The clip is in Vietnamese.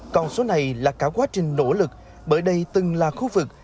còn số này là cả quá trình nỗ lực bởi đây từng là khu vực